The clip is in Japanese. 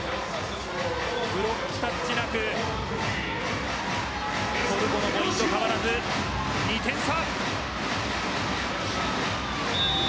ブロックタッチなくトルコのポイントは変わらず２点差。